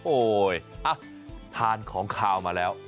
โอ้ยอั๊ะทานของขาวมาแล้วมาก